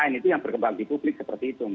itu yang berkembang di publik seperti itu